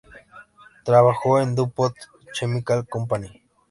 Trabajó en la DuPont Chemical Company.